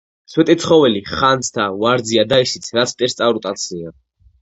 სვეტიცხოველი...ხანძთა...ვარძია და ისიც, რაც მტერს წარუტაცნია.